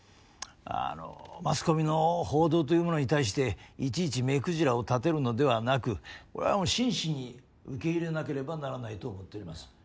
あのマスコミの報道というものに対していちいち目くじらを立てるのではなくこれはもう真摯に受け入れなければならないと思っております。